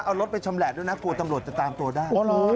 เอารถไปชำแหละด้วยนะกลัวตำรวจจะตามตัวได้